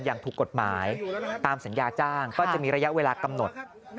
อย่างถูกกฎหมายตามสัญญาจ้างก็จะมีระยะเวลากำหนด